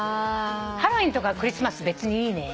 ハロウィーンとかクリスマス別にいいね。